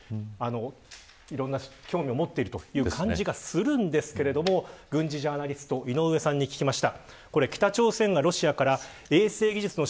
これだけを聞くとロケットにかなりいろんな興味を持っているという感じがするんですが軍事ジャーナリスト井上さんに聞きました。